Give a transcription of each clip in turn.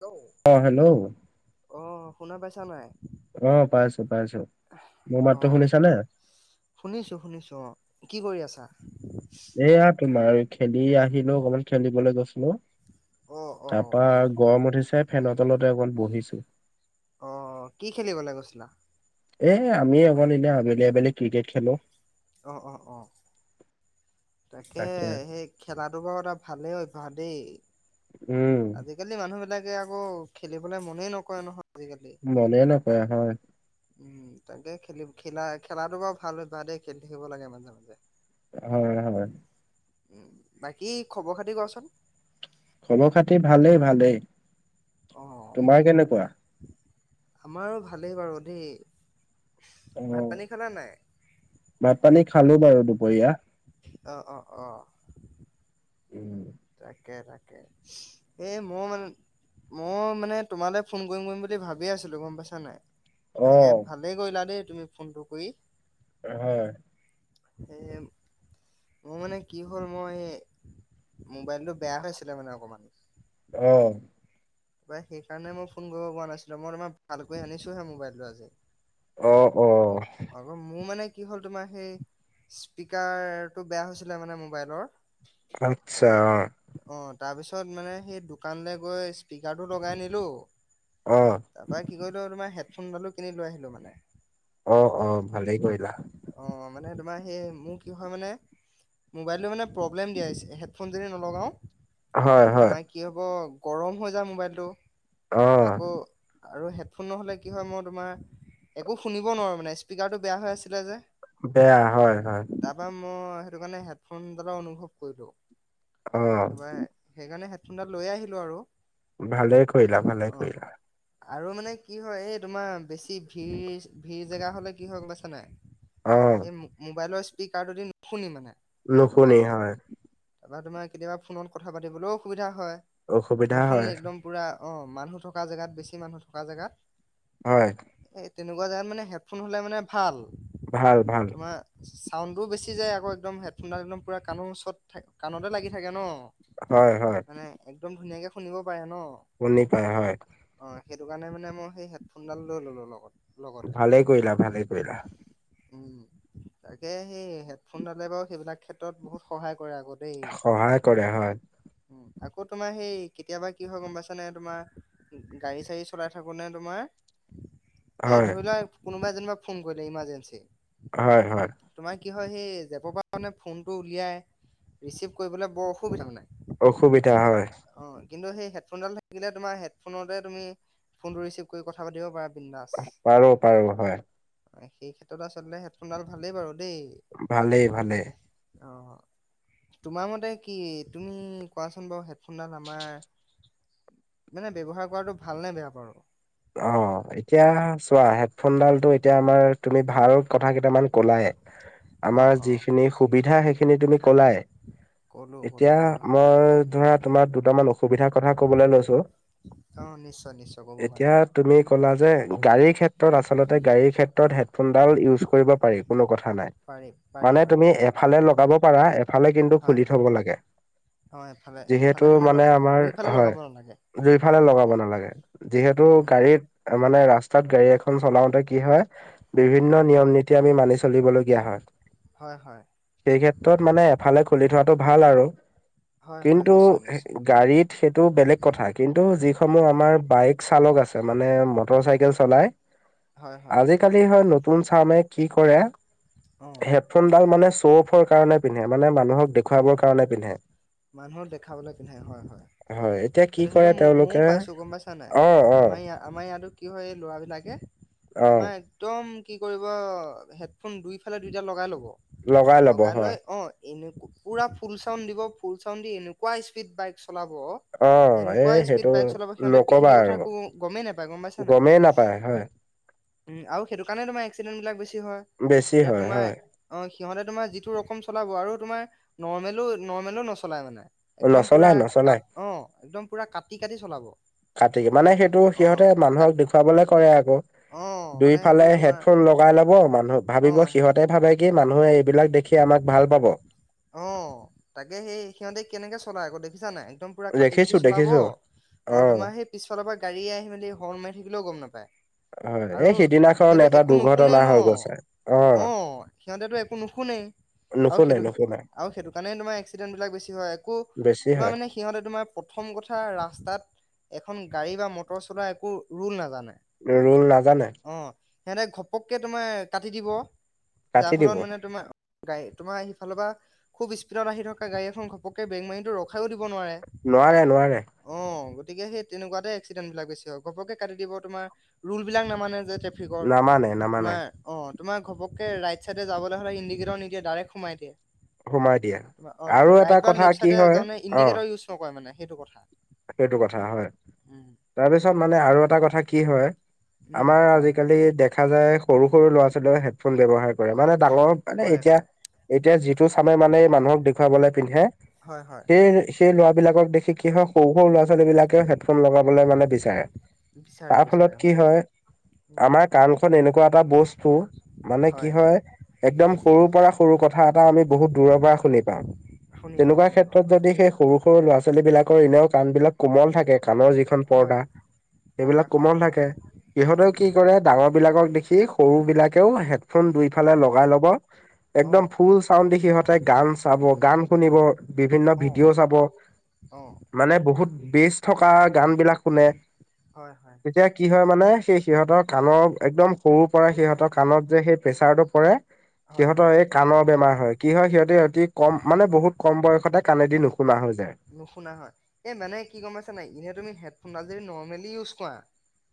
Hello অ', hello! অ', শুনা পাইছা নাই? অ', পাইছো পাইছো। মোৰ মাততো অ' শুনিছানে? শুনিছো শুনিছো অ', কি কৰি আছা? এয়া তোমাৰ খেলি আহিলো অকমান খেলিবলৈ গৈছিলো। অ' অ' তাৰপা গৰম উঠিছে ফেনৰ তলতে অকণ বহিছো। অ', কি খেলিবলৈ গৈছিলা? এ আমি অকন এনে আবেলি অবেলি ক্ৰিকেট খেলো। অ', অ', অ'। তাকে, সেই খেলাটো বাৰু এটা ভালেই অভ্যাস দেই। উম আজিকালি মানুহ বিলাকে আকৌ খেলিবলে মনেই নকৰে নহয়। আজিকালি। মনে নকৰে হয়। উম, তাকে খেলি-খেলা-খেলাটো বাৰু ভাল অভ্যাস দেই, খেলি থাকিব লাগে মাজে মাজে। হয় হয়। উ, বাকী খবৰ খাতি কোৱাচোন? খবৰ খাতি ভালেই ভালেই, অ' তোমাৰ কেনেকুৱা? আমাৰো ভালেই বাৰু দেই। ভাত অ', পানী খালা নাই? ভাত পানী খালো বাৰু দুপৰীয়া। অ', অ', অ'। উম। তাকে তাকে, এই মোৰ মানে মই মানে তোমালৈ ফোন কৰিম কৰিম বুলি ভাবিয়ে আছিলো গম পাইছা নাই। অ তাকে ভালেই কৰিলা দেই তুমি ফোনটো কৰি। অ, হয়। এ, মোৰ মানে কি হ'ল মই মোবাইলটো বেয়া হৈ আছিলে মানে অকমান। অহ। ত সেইকাৰণে মই ফোন কৰিব পৰা নাছিলো, মই তোমাৰ ভাল কৰি আনিছোহে মোবাইলটো আজি। অ অহ। আকৌ মোৰ মানে কি হ'ল তোমাৰ সেই স্পীকাৰতটো বেয়া হৈছিলে মানে মোবাইলৰ। আতছা। তিছত মানে সেই দোকানলৈ গৈ স্পীকাৰটো লগাই নিলো। অ অ তাৰ পা কি কৰিলো তোমাৰ হেডফোনডালো কিনি লৈ আহিলো মানে। অ, অ ভালেই কৰিলা। আমাৰ সেই মোৰ কি হয় মানে মোবাইলটো মানে প্ৰব্লেম দিয়া হৈছে হেডফোন যদি নলগাওঁ, হয় হয় তোমাৰ কি হব গৰম হৈ যায় মোবাইলটো। অঁ। আকৌ আৰু হেডফোন নহ'লে কি হয় মই তোমাৰ একো শুনিব নোৱাৰোঁ মানে স্পীকাৰটো বেয়া হৈ আছিলে যে। বেয়া হয় হয়। তাৰপৰা মই সেইটো কাৰণে হেডফোনডালৰ অনুভৱ কৰিলো অ', তাৰপা সেইকাৰণে, হে ফোনদাল লৈ আহিলোঁ আৰু। ভালে কৰিলা ভালে অ কৰিলা। আৰু মানে কি হয় এই তোমাৰ বেছি ভিৰ ভিৰ জেগা হলে কি হয় গমপাইছা নাই? অ', এই মোবাইলৰ স্পীকাৰটোদি নুশুনি মানে, নুশুনি কথাবিলাক হয়। তোমাৰ কেতিয়াবা ফোনত কথা পাতিবলৈও অসুবিধা হয়। অসুবিধা নুশুনি হয়। একদম পুৰা অ, মানুহ থকা জেগাত বেছি মানুহ থকা জেগাত হয়। এ তেনেকুৱা জোগাত মানে হেডফোন হ'লে মানে ভাল। ভাল ভাল। চাউণ্ডোও বেছি যায় আকৌদম হেডফোনডাল একদম পুৰা কাণো চট থ কাণতে লাগি থাকে ন? হয়, হয়, মানে একদম ধুনীয়াকে শুনিব পাৰে ন, শুনি পাই, হয়, হয়। সেইটো কাৰণে মানে মই সেই হেডফোনডাল লৈ ল'লো লগত। লগতে ভালে কৰিলা, ভালেই কৰিলা। উম, তাকে সেই হেডফোনডালে বাৰু সেইবিলাক ক্ষেত্ৰত বহুত সহায় কৰে আকৌ দেই সহায় কৰে, হয়। উম আকৌ তোমাৰ সেই কেতিয়াবা কি হয় গম পাইছানে? তোমাৰ, গাড়ী-চাড়ী চলাই থাকোতে তোমাৰ। এ হয়, ধৰি লোৱা কোনোবা এজনে বা ফোন কৰিলে ইমাৰ্জেঞ্চি। হয় হয়। তোমাৰ কি হয়? সেই জেপৰ পৰা মানে ফোনটো উলিয়াই ৰিচিভ কৰিবলৈ বৰ অসুবিধা মানে। অসুবিধা, হয়। অ' কিন্তু সেই হেডফোনডাল থাকিলে তোমাৰ হেডফোনতে তুমি ফোনটো ৰিচিভ কৰি কথা পাতিব পাৰা। বিন্দাস। পাৰো, পাৰো হয়। সেই ক্ষেত্ৰত আচলতে হেডফোনডাল ভালেই বাৰু! দেই। ভালেই ভালে। অ', তোমাৰ মতে কি তুমি কোৱাচোন বাৰু হেড ফোনডাল আমাৰ মানে ব্যৱহাৰ কৰাটো ভাল নে বেয়া বাৰু? অ' এতিয়া চোৱা হেডফোনডালটো এতিয়া আমাৰ তুমি ভাল কথা কেইটামান কলায়ে। আমাৰ অ' অ' যিখিনি সুবিধা। সেই খিনি তুমি কলায়ে, ক'লো ক'লো এতিয়া বাৰু মই ধৰা তোমাৰ অতমান অসুবিধাৰ কথা কবলৈ লৈছো অ' নিশ্চয় নিশ্চয় ক'ব পাৰা এতিয়া তুমি কলা যে গাড়ীৰ ক্ষেত্ৰত আচলতে গাড়ীৰ ক্ষেত্ৰত হেডফোনডাল ইউজ কৰিব পাৰি কোনো কথা নাই। পাৰি পাৰি মানে পাৰি তুমি এফালে লগাব পাৰা এফালে কিন্তু হয় খুলি হয় থব লাগে। অ' এফালে যিহেতু এফালে মানে আমাৰ দুইফালে হয় লগাব নালাগে জুইফালে লগাব উম নালাগে যিহেতু উম এই উম গাড়ত মানে ৰাস্তাত গাড়ী এ চলাওতে কি হয় বিভিন্ন অ' নিয়ম নীতি আমি মানি চলিবলগীয়া হয়। হয় হয় সেই ক্ষেত্ৰত মানে এফালে খুলি থোৱাটো ভাল আৰু হয় হয় কিন্তু নিশ্চয় নিশ্চয় গাড়ীত সেইটো বেলেগ কথা কিন্তু যিসমূহ উম আমাৰ বাইক চালক আছে মানে মটৰ চাইকেল চলাই হয় হয় আজিকালি হয় ন চে কি কৰে অ হেডফোনডাল মানে শ্ব' অফৰ কাৰণে পিন্ধে মানে ম মানুহক দেখুৱাবৰ কাৰণে পিন্ধে। মানুহৰ দেখাবলৈ পিন্ধে হয় - হয় এতিয়া কি সেইটো - সেইটো কৰে ম - ময়ও তেওঁলোকে পাইছো গম পাইছা নাই। অ অ আমাৰ ই আমাৰ ইয়াতো কি হয় ল'ৰাবলাকে অ তোমাৰ একদম কি কৰিব হেডফোন দুইফালে দুইটা লগাই ল'ব লগাই ল'ব হয়। লৈ অ এনে পুৰা ফুল চাউন দিব ফুল চাউন দি এনেকুৱা স্পীড বাইক চলাব। অ এই এনেকুৱা সেইটো স্পীড বাইক চলাব সিহতে নকবা পৃথিৱীৰ আৰু কথা একো গমেই নাপায় গম পাইছা গমেই নাই। নাপায় [inaudible] উম, আৰু সেইটো কাৰণে তোমাৰ এক্সিডেন্ট বিলাক বেছি হয় বেছি এতিয়া হয় তোমাৰ হয় অ, সিহতে তোমাৰ যিটো ৰকম চলাব আৰু তোমাৰ নৰ্মেলো - নৰ্মেলো নচলায় মানে। একদম নচলাই পুৰা ক নচলাই অ, একদম পুৰা কাটি - কাটি চলাব। কতি মানে সেইটো অ সিহতে কাট মানুহক দেখুৱাবলে কৰে আকৌ অ মানে সেইটো দুইফালে তোমাৰ হেডফোন লগাই লব মানুহ অ ভাবিব সিহতে ভাবে কি মানুহে এইবিলাক দেখি আমাক ভাল পাব। অ, তাকে সেই সিহতে কেনেকে চলাই আকৌ দেখিছা নাই। একদম পুৰা কাটি কুটি দেখিছো চলাব। দেখিছো অ, তোমাৰ সেই পিছফালৰ পৰা গাড়ীয়ে আহি মেলি হৰ্ণ মাৰি থাকিলেও গম নাপায়। হয় আৰু এই সিদিনাখন সেইটো এটা একো নুশুনে দুৰ্ঘটনা ন হৈ গৈছে। অ, সিহতেতো একো নু শুনে। নোশুনে‌ - নোশুনে। আৰু সেইটো কাৰণে তোমাৰ এক্সিডেণ্ট বিলাক বেছি হয় আকো। বেছি তোমাৰ হয় মানে সিহতে তোমাৰ প্ৰথম কথা ৰাস্তাত এখন গাড়ী বা মটৰ চলোৱা একো ৰোল নাজানে। ৰল নাজানে। সিহতে ঘপককে তোমাৰ কাটি দিব। যাৰ কাটি দিব। ফলত মানে তোমাৰ গাড়ি তোমাৰ সিফালৰ পৰা খুব স্পীডত আহি থকা গাড়ীখন ঘপককে ব্ৰেগ মাৰি টো ৰখাইও দিব নোৱাৰে নোৱাৰে নোৱাৰে অ, গতিকে সেই তেনেকুৱাতে এক্সিডেণ্ট বিলাক বেছি হয় ঘপককে কাটি দিব তোমাৰ ৰুল বিলাক নামানে যে। ট্ৰেফিকৰ নামানে নামানে তোমাৰ অ, তোমৰ ঘপককে ৰাইট চাইডে যাবলৈ হলে ইণ্ডিকেটৰ সিনিকি ডাইৰেক সোমাই দিয়ে। সোমাই দিয়ে। অ, আৰু এটা ৰাইট বা কথা লেফট কি চাইডে হয় তাৰমানে অ ইণ্ডিকেটৰ ইউজ নকৰে মানে সেইটো কথা। সেইটো কথা হয় উম, তাৰপিছত মানে আৰু এটা কথা কি হয়? উম আমাৰ কৰা। আজিকালি দেখা যায় সৰু - সৰু ল'ৰা ছোৱালীয়ে হেডফোন ব্যৱহাৰ কৰে। মানে ডাঙৰ মানে কৰে এতিয়া কৰে এতিয়া যিটো চামে মানে মানুহক দেখুৱাবলে পিন্ধে হয় হয় সেই - সেই ল'ৰাবিলাক ক দেখি কি হয় সৰু - সৰু ল'ৰা ছোৱালী বিলাকেও হেডফোন লগাবলৈ মানে বিচাৰে বিচাৰে তাৰ বিচাৰে ফলত কি হয় উম। আমাৰ কাণ খন এনেকুৱা এটা বস্তু মানে কি হয় একদম সৰুৰ পৰা সৰু কথা এটা আমি বহুত দূৰৰ পৰা শুনি পাও। শুনি পাওঁ তেনেকুৱা শুনি পাওঁ ক্ষেত্ৰত হয়। যদি সেই সৰু - সৰু ল'ৰা ছোৱালী বিলাকৰ এনেও কাণবিলাক কোমল থাকে। থাকে কাণৰ যিখন পৰ্দা হয় সেইবিলাক পৰ্দাখনৰ কোমল হয় থাকে। উম ইহঁতেও উম কি কৰে ডাঙৰ বিলাকক দেখি সৰু বিলাকেও হেডফোন অ দুইফালে লগাই ল'ব। অ একদম ফুল চাউন্ড দি সিহঁতে গান চাব গান শুনিব বিভিন্ন অ ভিডিঅ' চাব। অ মানে বহুত বেজ থকা গান বিলাক শুনে হয় হয় তেতিয়া কি হয় মানে সেই সিহঁতৰ কাণৰ একদম সৰু পৰা সিহঁতৰ কাণত যে সেই প্ৰেচাৰটো পৰে হয় সিহঁতৰ হয় এই কাণৰ বেমাৰ হয় কি হয় সিহঁতে অতি কম মানে অ বহুত কম বয়সতে কাণেদি নুশুনে নুশুনা হয়, এই মানে কি গম পাইছা নাই এনে তুমি হেডফোনডাল যদি নৰ্মেলি ইউজ কৰা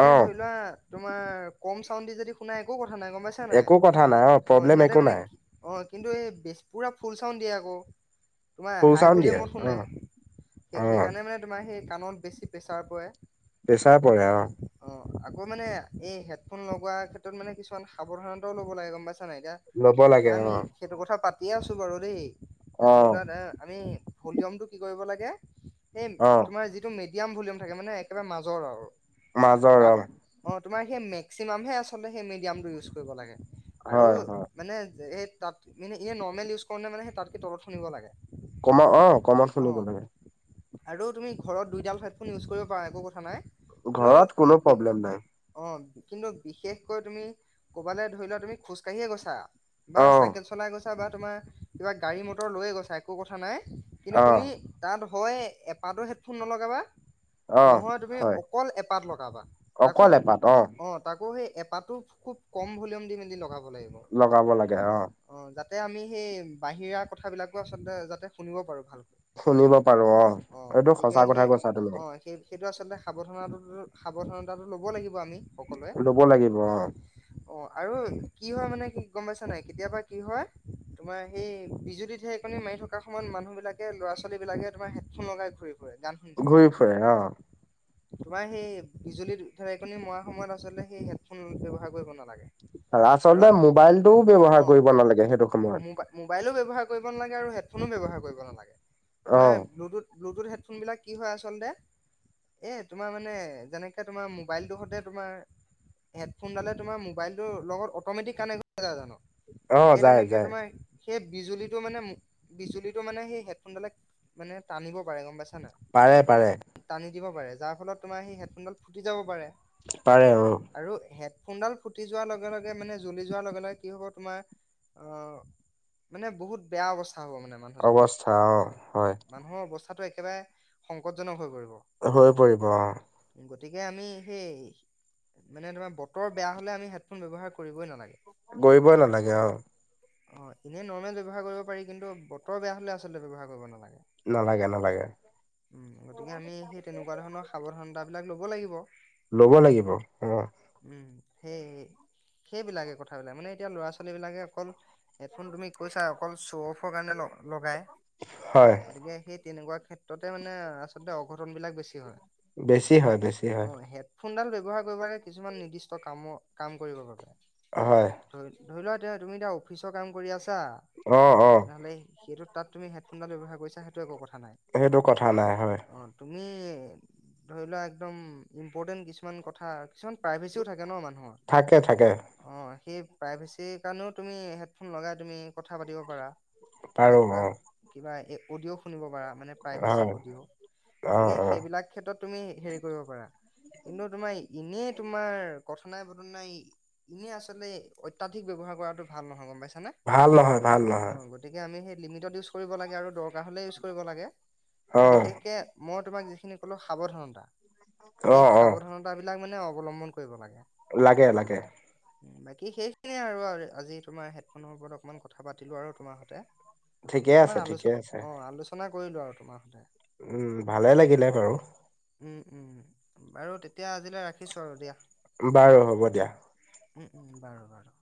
এনে অ' ধৰি লোৱা তোমাৰ কম চাউণ্ড দি যদি শুনা একো কথা নাই গম পাইছা নাই। একো কথা নাই অ প্ৰব্লেম সিহঁতে একো মানে নাই অ কিন্তু এই বেছি পুৰা ফুল চাউন্ড দিয়ে আকৌ ফুল চাউন্ড দিয়ে অ সে অ' সেইকাৰণে মানে তোমাৰ সেই কাণত বেছি প্ৰেছাৰ পৰে। প্ৰেচাৰ পৰে অ। অ আকৌ মানে এই হেডফোন লগোৱাৰ ক্ষেত্ৰত মানে কিছুমান সাৱধানতাও লব লাগে গম পাইছানাই নাই এতিয়া ল'ব লাগে এতিয়া অ। আমি সেইটো কথা পাতিয়ে আছো বাৰু দেই এতিয়া ধৰি অ', লোৱা এ আমি ভলিউমটো কি কৰিব লাগে এই অ', তোমাৰ যিটো মিডিয়াম ভলিউম থাকে মানে একেবাৰে মাজৰ আৰু মাজৰ তাত অ। অ তোমাৰ সেই মেক্সিমামহে আচলতে সেই মিডিয়ামটো ইউজ কৰিব লাগে আৰু হয়, হয়। মানে এই তাত মানে এনেই নৰ্মেল ইউজ কৰোনে মানে সেই তাতকে তলত শুনিব লাগে। কমত অ কমত অ শুনিব লাগে। আৰু তুমি ঘৰত দুইটাইম হেডফোন ইউজ কৰিব পাৰা একো কথা নাই। ঘৰত কোনো কিন্তু প্ৰব্লেম নাই। অঁ কিন্তু বিশেষকৈ তুমি ক'বালে ধৰি লোৱা তুমি খোজ কাঢ়িয়ে গৈছা বা অ', চাইকেল চলাই গৈছা ছা‌ বা তোমাৰ কিবা গাড়ি মটৰ লৈ গৈছা একো কথা‌নাই কিন্তু অ'। তুমি [unintelligible] হয় এপাতো হেডফোন নলগাবা অ', নহয় তুমি হয়, অকল এপাত লগাবা তাকো অকল এপাত অ, তাকো সেই এপাটো খুব কম ভলিউম দি মেলি লগাব লগাব লাগে অ, তে আমি সেই বাহিৰা কথাবিলাকো আচলতে যাতে শুনিব পাৰোঁ। ভালকৈ শুনিব পাৰো অ, অ, এইটো গতিকে সঁচা কথা সেই কৈছা তুমি, অ, সেই-সেইটো আচলতে সাৱধনতাটো সাৱধনাতাটো ল'ব লাগিব আমি সকলোৱে ল'ব লাগিব অ', অ, আৰু কি হয় মানে কি গম পাইছ নাই কেতিয়াবা কি হয় তোমাৰ সেই বিজুলী ঢেৰেকণী মাৰি থকা সময়ত মানুহ বিলাক কে ল'ৰা-ছোৱালী বিলাকে তোমাৰ হেডফোন লগাই ঘূৰি ফুৰে গান শুনি থাকে ঘূৰি ফুৰে অ, তোমাৰ সেই বিজুলী ঢেৰকণী মৰা সময়ত আচলতে সেই হেডফোন ব্যৱহাৰ কৰিব নালাগে। আচলতে কাৰণ মোবাইলটোও ব্যৱহাৰ অ, কৰিব নালাগে সেইটো সময়ত মোবাই -মোবাইলো ব্যৱহাৰ কৰিব নালাগে আৰু হেড ফোনো ব্যৱহাৰ কৰিব নালাগে অ', তোমাৰ ব্লুুটুথ- ব্লুটুথ হেডফোন বিলাক কি হয় আচলতে এ তোমাৰ মানে যেনেকে তোমাৰ মোবাইল দুখতে তোমাৰ হেডফোনডালে তোমাৰ মোবাইলটোৰ লগত অটমেটিক কানেক্ট হৈ নাযায় জানো? অ', সেই যায়, তেনেকে যায়। তোমাৰ সেই বিজুলীটো মানে- বিজুলীটো মানে সেই হেড ফোনডালে মানে টানিব পাৰে গম পাইছ পাৰে-পাৰে। দিব পাৰে যাৰ ফলত তোমাৰ সেই হেডফোনডাল ফুটি যাব পাৰে। পাৰে অ, ফোনডাল ফুটি যোৱাৰ লগে লগে মানে জ্বলি যোৱাৰ লগে লগে কি হব তোমাৰ, আহ মানে বহুত বেয়া অৱস্থা হ'ব মানে মানুহজনৰ। অৱস্থা অ হয়। কথাটো একেবাৰে সংকটজনক হৈ পৰিব। হৈ পৰিব অঁ। গতিকে আমি সেই, মানে তোমাৰ বতৰ বেয়া হলে আমি হেডফোন ব্যৱহাৰ কৰিবই নালাগে। [unintelligible] নালাগে আৰু। অ এনেই নৰ্মেল ব্যৱহাৰ কৰিব পাৰি কিন্তু বতৰ বেয়া হলে আচলতে ব্যৱহাৰ কৰিব নালাগে। নালাগে, নালাগে। উম গতিকে আমি সেই তেনেকুৱা ধৰণৰ সাৱধানতা বিলাক লব লাগিব। লব লাগিব অ। উম সেই। সেইবিলাকে কথাবিলাক মানে এতিয়া ল'ৰা-ছোৱালী বিলাকে অকল হেডফোন তুমি কৈছা অকল শ্ব' অফৰ কাৰণে লগাই হয় গতিকে সেই তেনেকুৱা ক্ষেত্ৰতে মানে আচলতে অঘটন বিলাক বেছি হয়। বেছি হয় বেছি হয়। ফোনডাল ব্যৱহাৰ কৰিব লাগে কিছুমান নিৰ্দিষ্ট কামৰ কাম কৰিব বাবে। হয়। ধৰি ধৰি লোৱা এ তুমি এতিয়া অফিচৰ কাম কৰি আছা, অ' অ' তেনেহ'লে সেইটোত তুমি হেফোনডাল ব্যৱহাৰ কৰিছে সেইটো এক কথ সেইটো কথা নাই হয়। উম, ধৰি লোৱা একদম ইম্পৰ্টেণ্ট কিছুমান কথা কিছুমান প্ৰাইভেচিও থাকে ন মানুহ থাকে থাকে। সেই প্ৰাইভেচিৰ কাৰণেও তুমি হেডফোন লগাই তুমি কথা পাতিব পাৰা। পাৰো অ। পাই অডিঅ' শুনিব পাৰা মানে প্ৰাইভেচি হয় অডিঅ'। অ' গতিকে অ' সেইবিলাক ক্ষেত্ৰত তুমি হেৰি কৰিব পাৰা, কিন্তু তোমাৰ এনেই তোমাৰ কথানাই পটানাই ইনে আচলতে অত্যাধিক ব্যৱহাৰ কৰাটো ভাল নহয় গম পাইছো ভাল নহয় ভাল নহয়। সেই লিমিটত ইউচ কৰিব লাগে আৰু দৰকাৰ হ'লে ইউচ কৰিব লাগে, আৰু অ' বিশেষকে ম ই তোমাক যিখিনি ক'লো সাৱধানতা, সেই অ' অ' সাৱধানতা বিলাক মানে অৱলম্বন কৰিব লাগে। লাগে লাগে। বাকী সেইখিনিয়ে আৰু আজি তোমাৰ হেডফোনৰ ওপৰত অকমান কথা পাতিলো আৰু তোমাৰ হতে। ঠিকে আছে অকমান আলোচ ঠিকে আছে অ আলোচনা কৰিলো আৰু তোমাৰ সতে। উম ভালে লাগিলে বাৰু। উম উম বাৰু তেতিয়া আজিলৈ ৰাখিছো আৰু দিয়া। বাৰু হ'ব দিয়া। উম উম বাৰু বাৰু।